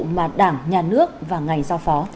mà đảng nhà nước và ngành giao phó